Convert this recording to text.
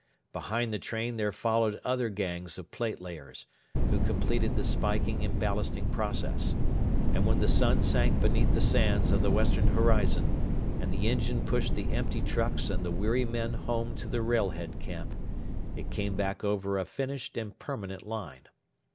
Behind the train there followed other gangs of platelayers, who completed the spiking and ballasting process; and when the sun sank beneath the sands of the western horizon, and the engine pushed the empty trucks and the weary men home to the Railhead camp, it came back over a finished and permanent line.